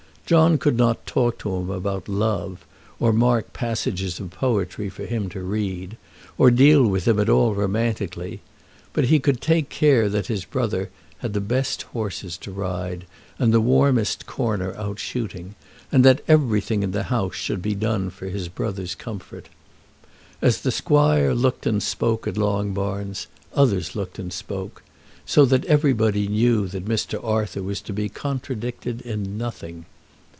John could not talk to him about love, or mark passages of poetry for him to read, or deal with him at all romantically; but he could take care that his brother had the best horses to ride, and the warmest corner out shooting, and that everything in the house should be done for his brother's comfort. As the squire looked and spoke at Longbarns, others looked and spoke, so that everybody knew that Mr. Arthur was to be contradicted in nothing.